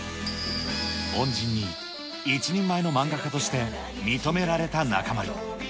恩人に一人前の漫画家として認められた中丸。